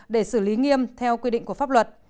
để xử lý nghiêm theo quy định của pháp luật